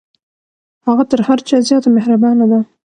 هغه تر هر چا زیاته مهربانه ده.